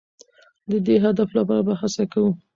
د دې هدف لپاره به هڅه کوو.